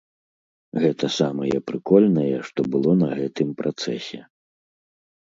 Гэта самае прыкольнае, што было на гэтым працэсе.